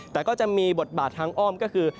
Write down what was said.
แต่ก็จะมีบทบาททางอ้อมก็คือ